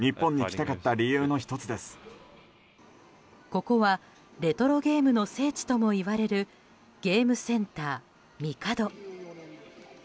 ここはレトロゲームの聖地ともいわれるゲームセンターミカド。